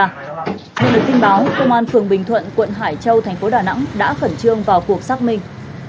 nhưng được tin báo công an phường bình thuận quận hải châu tp đà nẵng đã khẩn trương vào cuộc xác minh